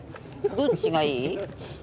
どっちがいい？